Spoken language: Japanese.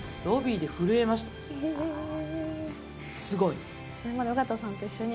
すごい。